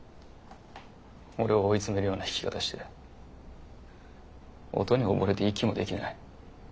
俺を追い詰めるような弾き方して音に溺れて息もできない。